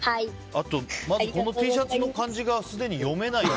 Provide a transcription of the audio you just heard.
あと、まずこのＴシャツの漢字がすでに読めない。